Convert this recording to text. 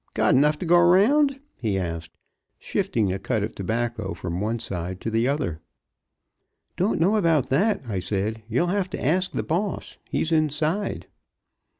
Got 'nough to go round?" he asked, shifting a cud of tobacco from one side to the other. "Don't know about that," I said. "You'll have to ask the boss he's inside."